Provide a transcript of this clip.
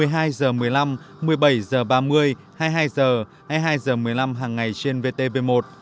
một mươi hai h một mươi năm một mươi bảy h ba mươi hai mươi hai h hai mươi hai h một mươi năm hàng ngày trên vtv một